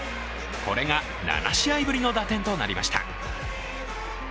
これが７試合ぶりの打点となりました。